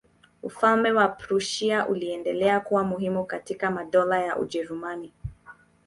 Ufalme wa Prussia uliendelea kuwa muhimu kati ya madola ya Ujerumani.